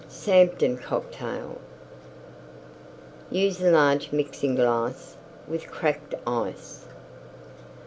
SAMTON COCKTAIL Use a large Mixing glass with Cracked Ice.